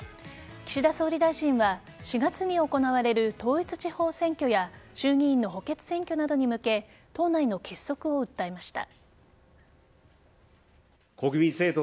岸田総理大臣は４月に行われる統一地方選挙や衆議院の補欠選挙などに向け党内の結束を訴えました。